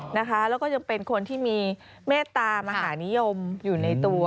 แล้วก็ยังเป็นคนที่มีเมตตามหานิยมอยู่ในตัว